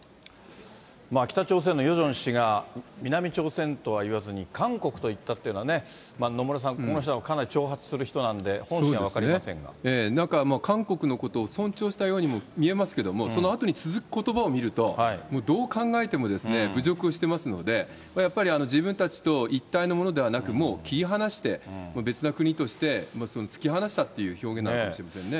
北朝鮮のヨジョン氏が南朝鮮とは言わずに韓国と言ったっていうのはね、野村さん、この人はかなり挑発する人なんで、なんか、韓国のことを尊重したようにも見えますけれども、そのあとに続くことばを見ると、どう考えてもですね、侮辱してますので、やっぱり自分たちと一体のものではなくもう切り離して、別な国として突き放したっていう表現なのかもしれませんね。